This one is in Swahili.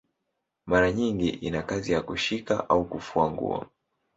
Mara nyingi ina kazi ya kushika au kufunga nguo.